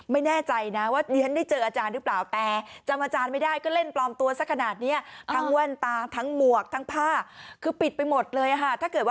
ไม่พอแล้วนะครับ